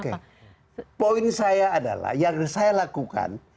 oke poin saya adalah yang saya lakukan